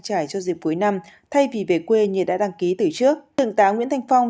trải cho dịp cuối năm thay vì về quê như đã đăng ký từ trước thượng tá nguyễn thanh phong